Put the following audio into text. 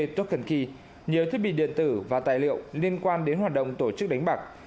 tóc cần ky nhiều thiết bị điện tử và tài liệu liên quan đến hoạt động tổ chức đánh bạc